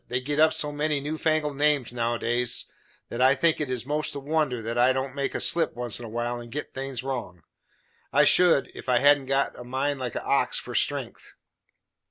They git up so many new fangled names nowadays, that I think it is most a wonder that I don't make a slip once in a while and git things wrong. I should, if I hadn't got a mind like a ox for strength.